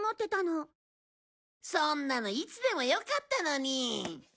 そんなのいつでもよかったのに。